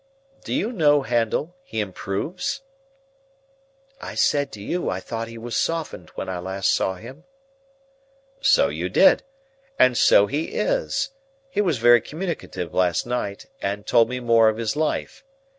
Do you know, Handel, he improves?" "I said to you I thought he was softened when I last saw him." "So you did. And so he is. He was very communicative last night, and told me more of his life.